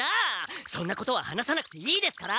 そんなことは話さなくていいですから！